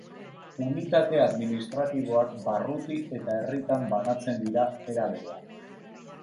Unitate administratiboak barruti eta herritan banatzen dira era berean.